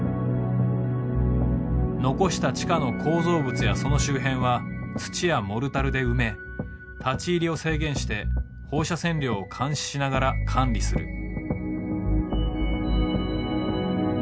残した地下の構造物やその周辺は土やモルタルで埋め立ち入りを制限して放射線量を監視しながら管理する。